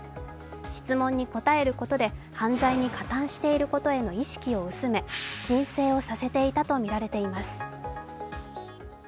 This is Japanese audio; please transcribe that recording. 質問に答えることで、犯罪に加担していることへの意識を薄め、申請をさせていたとみられています。